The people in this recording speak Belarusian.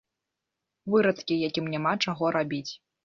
Вырадкі, якім няма чаго рабіць.